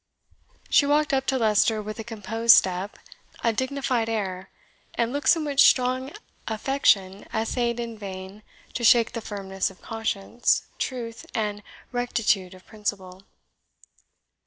She walked up to Leicester with a composed step, a dignified air, and looks in which strong affection essayed in vain to shake the firmness of conscious, truth and rectitude of principle.